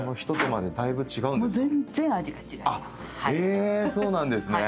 あっへぇそうなんですね。